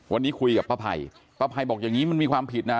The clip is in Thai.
วันนี้คุยกับป้าไพรป้าภัยบอกอย่างนี้มันมีความผิดนะ